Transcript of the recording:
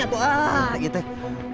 aduh ah gitu ya